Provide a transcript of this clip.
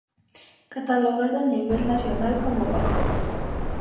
Catalogado a nivel nacional como bajo.